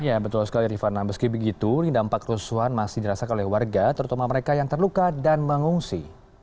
ya betul sekali rifana meski begitu dampak kerusuhan masih dirasakan oleh warga terutama mereka yang terluka dan mengungsi